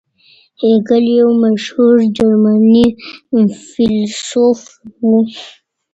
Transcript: هیګل یو مشهور جرمني فیلسوف و.